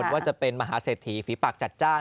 ว่าจะเป็นมหาเศรษฐีฝีปากจัดจ้าน